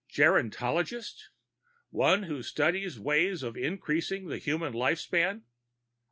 "Gerontologist? One who studies ways of increasing the human life span?"